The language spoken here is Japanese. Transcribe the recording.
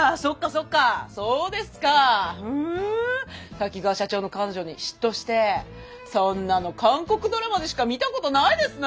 滝川社長の彼女に嫉妬してそんなの韓国ドラマでしか見たことないですな。